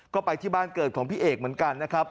ก็ไปที่บ้านเกิดของพี่เอกเหมือนกันนะครับ